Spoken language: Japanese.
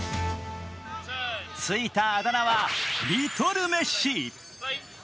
ついたあだ名はリトルメッシ。